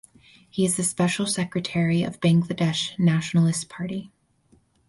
He is the special secretary of Bangladesh Nationalist Party.